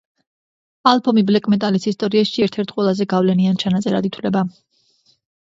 ალბომი ბლეკ-მეტალის ისტორიაში ერთ-ერთ ყველაზე გავლენიან ჩანაწერად ითვლება.